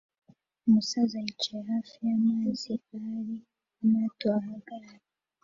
Umusaza yicaye hafi y'amazi ahari amato ahagarara